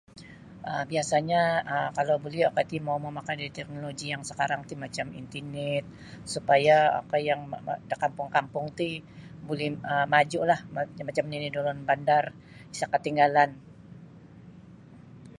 um biasa'nyo um kalau buli okoi ti mau' mamakai da teknoloji yang sakarang ti macam intinet supaya okoi yang ma da kampung-kampung ti um buli maju'lah macam nini' da ulun bandar sa' katinggalan.